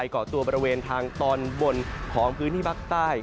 เกาะตัวบริเวณทางตอนบนของพื้นที่ภาคใต้